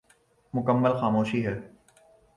مکمل خاموشی ہے۔